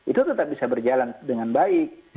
itu tetap bisa berjalan dengan baik